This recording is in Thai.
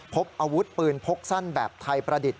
พบอาวุธปืนพกสั้นแบบไทยประดิษฐ